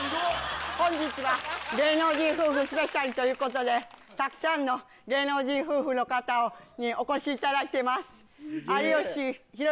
本日は。ということでたくさんの芸能人夫婦の方にお越しいただいてます。